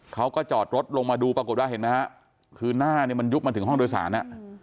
เขาก็จอดรถลงมาดูปรากฏว่าคือหน้าเนี่ยมันยุบถึงห้องโดยศาน